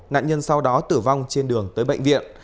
nạn nhân sau đó tử vong trên đường tới bệnh viện